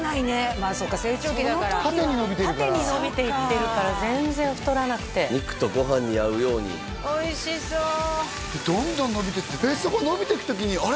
まあそうか成長期だからその時は縦に伸びていってるから全然太らなくて肉とご飯に合うようにおいしそうどんどん伸びていって伸びていく時にあれ？